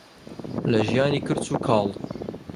لە ژیانی کرچ و کاڵ.